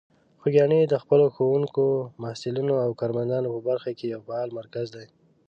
خوږیاڼي د خپلو ښوونکو، محصلینو او کارمندان په برخه کې یو فعال مرکز دی.